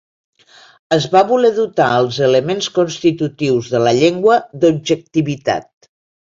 Es va voler dotar als elements constitutius de la llengua d'objectivitat.